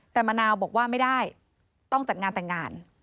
แต่มะนาวบอกว่าไม่ได้ต้องจัดงานแต่งงาน